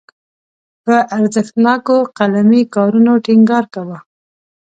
پر ارزښتناکو قلمي کارونو ټینګار کاوه.